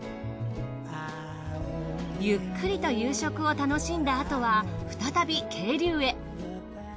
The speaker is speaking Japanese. ゆっくりと夕食を楽しんだあとは再び渓流へ。